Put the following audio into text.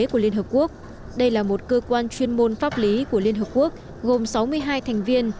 của liên hợp quốc đây là một cơ quan chuyên môn pháp lý của liên hợp quốc gồm sáu mươi hai thành viên